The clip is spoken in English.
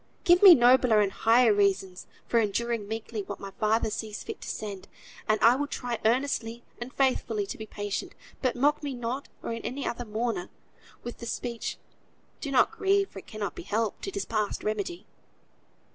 Give me nobler and higher reasons for enduring meekly what my Father sees fit to send, and I will try earnestly and faithfully to be patient; but mock me not, or any other mourner, with the speech, "Do not grieve, for it cannot be helped. It is past remedy."